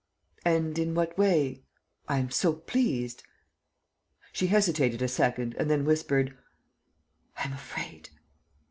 ..." "And in what way ...? I am so pleased ..." She hesitated a second and then whispered: "I am afraid."